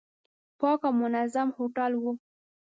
پاک او منظم هوټل و.